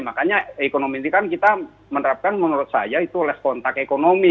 makanya ekonomi ini kan kita menerapkan menurut saya itu less contact ekonomi